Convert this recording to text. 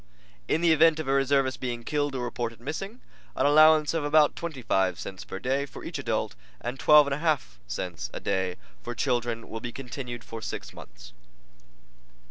In the event of a reservist being killed or reported missing an allowance of about 25 cents per day for each adult and 12 1 2 cents a day for children will be continued for six months.